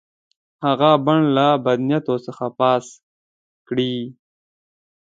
هغه بڼ له بد نیتو څخه پاک کړي.